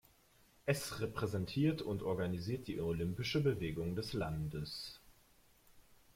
Es repräsentiert und organisiert die olympische Bewegung des Landes.